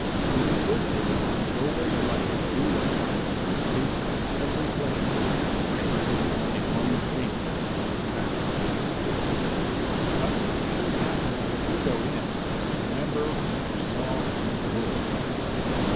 You can live here and go where you like and do what you like; taste of every pleasure; I forbid you only one thing to pass that door. But if it should happen that you do go in, remember what you saw in the wood."